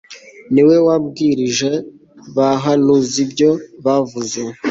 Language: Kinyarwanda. ni we wabwirij'abahanuz'ibyo bavuze